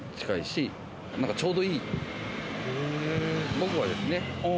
僕はですね。